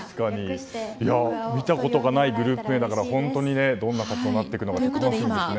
見たことがないグループ名だから本当にどんなグループになるのか楽しみですね。